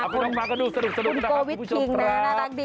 คุณมาก็ดูสนุกนะครับผู้ชำปราว